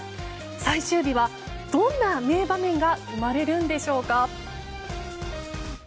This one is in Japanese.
最終日はどんな名場面が生まれるんでしょうか。